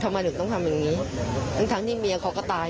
ทำไมถึงต้องทำแบบนี้ทั้งที่เมียเขาก็ตาย